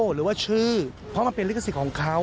หรือว่าชื่อเพราะมันเป็นลิขสิทธิ์ของเขา